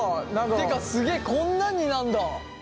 ってかすげえこんなんになんだ。